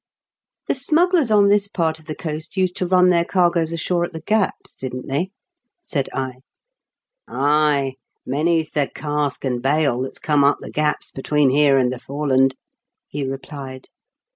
" The smugglers on this part of the coast used to run their cargoes ashore at the gaps, didn't they ?" said I. Ay, many's the cask and bale that's <jome up the gaps between here and the Fore land," he replied.